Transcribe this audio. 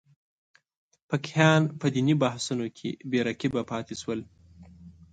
فقیهان په دیني بحثونو کې بې رقیبه پاتې شول.